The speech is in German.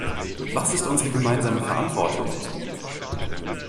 Was ist unsere gemeinsame Verantwortung?